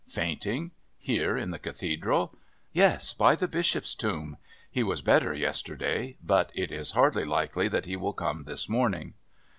Fainting? Here in the Cathedral? Yes, by the Bishop's Tomb. He was better yesterday, but it is hardly likely that he will come this morning.